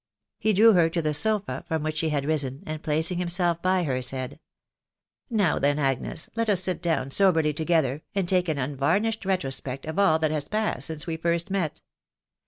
He drew her to the sofa from which she had risen, and placing himself by her, said, " Now, then, Agnes, let us sit down soberly together, and take an unvarnished retrospect of all that has passed since we first met